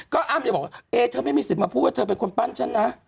ก็อ้ำจะบอกว่าเอ๊เธอไม่มีสิทธิ์มาพูดว่าเธอเป็นคนปั้นฉันนะ